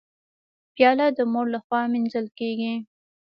پیاله د مور لخوا مینځل کېږي.